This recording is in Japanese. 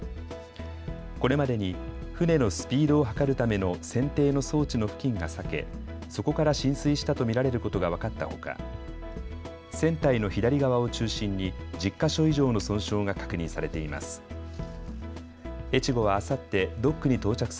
これまでに船のスピードを測るための船底の装置の付近が裂け、そこから浸水したと見られることが分かったほか船体の左側を中心に１０か所以上の損傷が確認されています。